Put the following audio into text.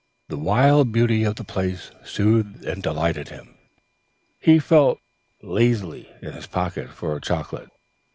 The wild beauty of the place soothed and delighted him, and he felt lazily in his pocket for a chocolate.